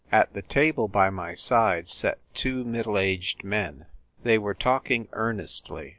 At the table by my side sat two middle aged men. They were talking earnestly.